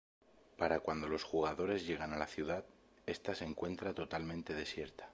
Para cuando los jugadores llegan a la ciudad, esta se encuentra totalmente desierta.